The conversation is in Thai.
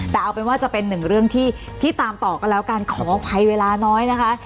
แต่เอาเป็นว่าจะเป็นหนึ่งเรื่องที่พี่ตามต่อกันแล้วกันขออภัยเวลาน้อยนะคะ